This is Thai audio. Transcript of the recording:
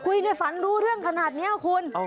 ในฝันรู้เรื่องขนาดนี้คุณ